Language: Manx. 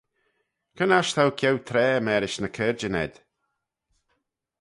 Cre'n aght t'ou ceau traa mârish ny caarjyn ayd?